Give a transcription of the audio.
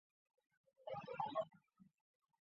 对人和大部分动物具中毒性。